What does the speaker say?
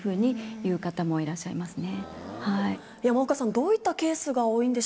山岡さんどういったケースが多いんでしょうか？